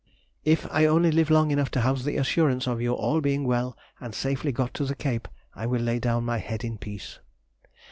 If I only live long enough to have the assurance of your all being well and safely got to the Cape, I will lay down my head in peace.